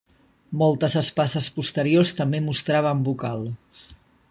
Moltes espases posteriors també mostraven bocal.